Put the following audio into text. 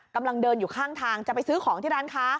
กำลังเดินอยู่ข้างทางจะไปซื้อของที่ร้านค้า